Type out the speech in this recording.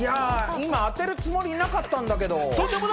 今、当てるつもりなかったんだけど。